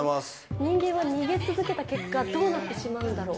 人間は逃げ続けた結果、どうなってしまうんだろう。